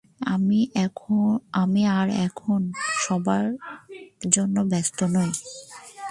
আমি আর এখন এ-সবের জন্য ব্যস্ত নই।